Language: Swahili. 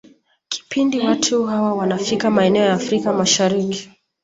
Kipindi watu hawa wanafika maeneo ya Afrika Mashariki